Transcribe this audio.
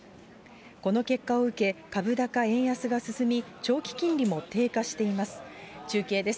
この結果を受け、株高円安が進み、長期金利も低下しています。